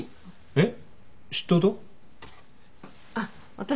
えっ？